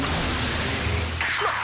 なっ！？